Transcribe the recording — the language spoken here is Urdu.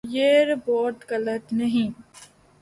یہ رپورٹ غلط نہیں